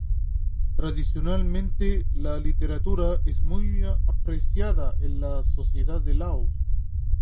Tradicionalmente la literatura es muy apreciada en la sociedad de Laos.